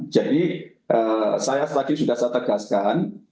jadi saya lagi sudah saya tegaskan